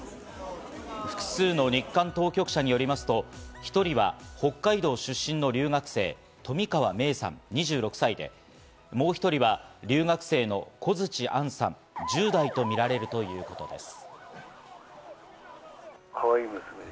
複数の日韓当局者によりますと、１人は北海道出身の留学生、冨川芽生さん２６歳で、もう１人は留学生のコヅチアンさん１０代とみられるということです。